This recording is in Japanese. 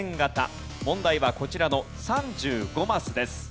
問題はこちらの３５マスです。